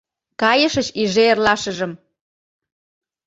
Кайышыч иже эрлашыжым